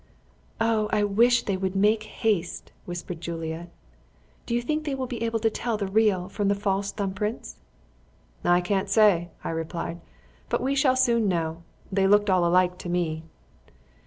"Oh! I wish they would make haste," whispered Juliet. "Do you think they will be able to tell the real from the false thumb prints?" "I can't say," I replied; "but we shall soon know. They looked all alike to me."